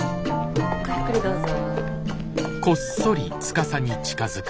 ごゆっくりどうぞ。